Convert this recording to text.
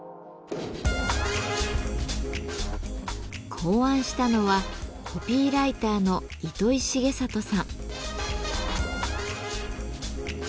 考案したのはコピーライターの糸井重里さん。